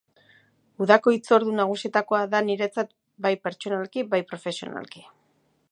Udako hitzordu nagusietakoa da niretzat, bai pertsonalki bai profesionalki.